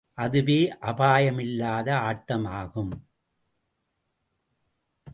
அதுவே அபாயமில்லாத ஆட்டமாகும்.